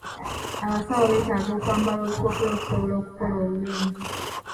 Abasawo beetaaga okwambala obukookolo okusobola okukola obulungi.